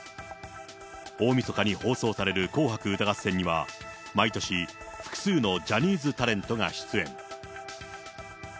大みそかに放送される紅白歌合戦には、毎年、複数のジャニーズタレントが出演。